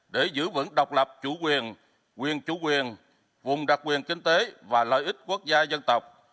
để giữ vững độc lập chủ quyền quyền chủ quyền vùng đặc quyền kinh tế và lợi ích quốc gia dân tộc